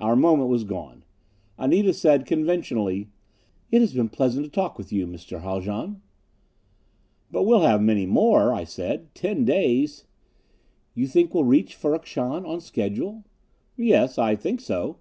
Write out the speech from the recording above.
Our moment was gone. Anita said conventionally, "It has been pleasant to talk with you, Mr. Haljan." "But we'll have many more," I said. "Ten days " "You think we'll reach Ferrok Shahn on schedule?" "Yes. I think so....